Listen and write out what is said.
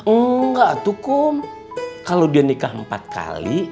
enggak tuh kum kalau dia nikah empat kali